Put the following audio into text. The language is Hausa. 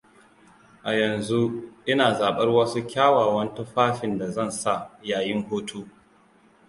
A yanzu, Ina zabar wasu kyawawan tufafin da zan sa yayin hutu.